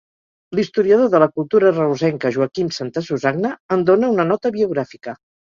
L'historiador de la cultura reusenca Joaquim Santasusagna en dóna una nota biogràfica.